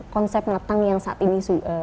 konsep netang yang saat ini